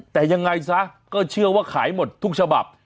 แต่ยังไงซะก็เชื่อว่าขายหมดทุกฉบับ